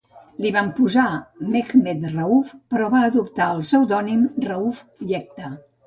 Li van posar Mehmed Rauf però va adoptar el pseudònim Rauf Yekta.